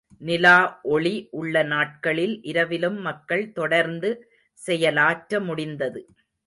நிலா ஒளி உள்ள நாட்களில் இரவிலும் மக்கள் தொடர்ந்து செயலாற்ற முடிந்தது.